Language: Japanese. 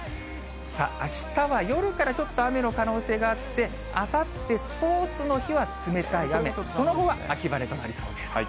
さあ、あしたは夜からちょっと雨の可能性があって、あさってスポーツの日は冷たい雨、その後は秋晴れとなりそうです。